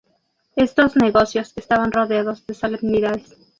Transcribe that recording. Estos negocios estaban rodeados de solemnidades.